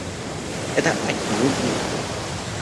Это отнюдь не так!